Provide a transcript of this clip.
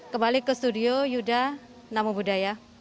kembali ke studio yudha namobudaya